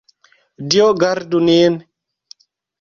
Dio gardu nin!